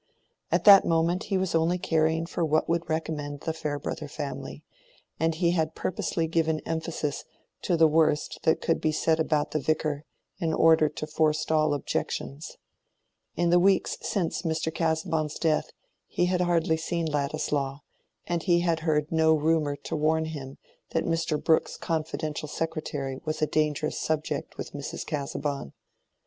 At that moment he was only caring for what would recommend the Farebrother family; and he had purposely given emphasis to the worst that could be said about the Vicar, in order to forestall objections. In the weeks since Mr. Casaubon's death he had hardly seen Ladislaw, and he had heard no rumor to warn him that Mr. Brooke's confidential secretary was a dangerous subject with Mrs. Casaubon.